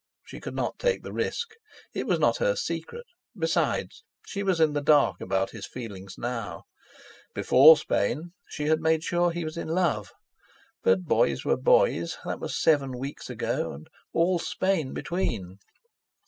She could not take the risk. It was not her secret. Besides, she was in the dark about his feelings now. Before Spain she had made sure he was in love; but boys were boys; that was seven weeks ago, and all Spain between.